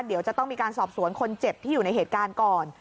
เดี๋ยวจะต้องมีการสอบสวนคนเจ็บที่อยู่ในเหตุการณ์ก่อน